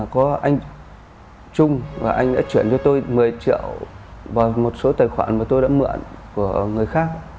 có anh trung và anh đã chuyển cho tôi một mươi triệu và một số tài khoản mà tôi đã mượn của người khác